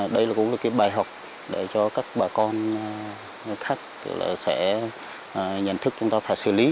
đây cũng là cái bài học để cho các bà con khác sẽ nhận thức chúng ta phải xử lý